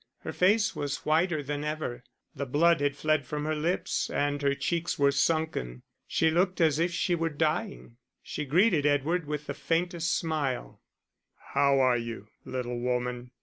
Her face was whiter than ever, the blood had fled from her lips, and her cheeks were sunken: she looked as if she were dying. She greeted Edward with the faintest smile. "How are you, little woman?"